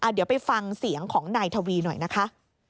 เดี๋ยวไปฟังเสียงของนายทวีหน่อยนะคะ